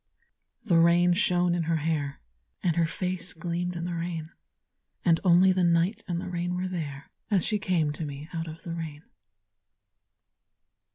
The rain shone in her hair, And her face gleamed in the rain; And only the night and the rain were there As she came to me out of the rain.